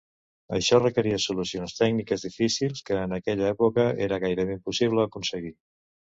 Això requeria solucions tècniques difícils que, en aquella època, era gairebé impossible aconseguir.